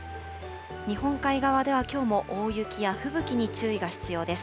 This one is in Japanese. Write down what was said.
日本海側ではきょうも大雪や吹雪に注意が必要です。